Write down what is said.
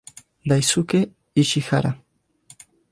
Daisuke Ishihara